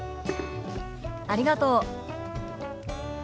ありがとう。